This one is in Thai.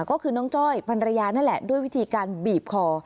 ก็คือน้องจ้อยพันรยานั่นแหละด้วยวิธีการบีบคอ